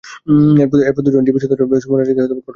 এরপর দুজন ডিবি সদস্য সুমন রেজাকে ঘটনাস্থল থেকে দূরে নিয়ে যান।